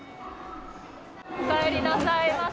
おかえりなさいませ。